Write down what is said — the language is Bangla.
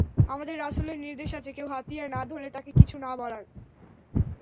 আমাদের রাসূলের নির্দেশ আছে, কেউ হাতিয়ার না ধরলে তাকে কিছু না বলার।